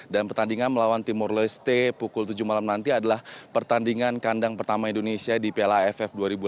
dan pertandingan melawan timor leste pukul tujuh malam nanti adalah pertandingan kandang pertama indonesia di piala aff dua ribu delapan belas